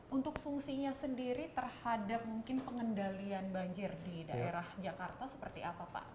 untuk fungsinya sendiri terhadap mungkin pengendalian banjir di daerah jakarta seperti apa pak